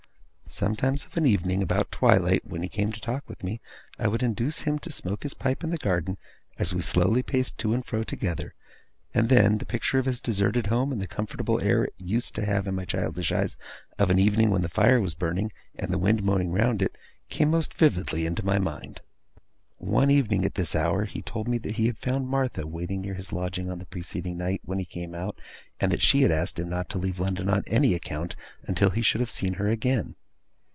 Sometimes of an evening, about twilight, when he came to talk with me, I would induce him to smoke his pipe in the garden, as we slowly paced to and fro together; and then, the picture of his deserted home, and the comfortable air it used to have in my childish eyes of an evening when the fire was burning, and the wind moaning round it, came most vividly into my mind. One evening, at this hour, he told me that he had found Martha waiting near his lodging on the preceding night when he came out, and that she had asked him not to leave London on any account, until he should have seen her again.